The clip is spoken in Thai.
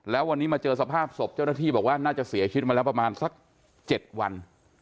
แล้ววันนี้มาเจอสภาพศพเจ้าหน้าที่บอกว่าน่าจะเสียชีวิตมาแล้วประมาณสัก๗วัน